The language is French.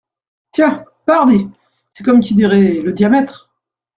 Tiens ! pardi ! c’est comme qui dirait… le diamètre !